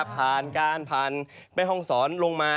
ผ่านการผ่านแม่ห้องศรลงมา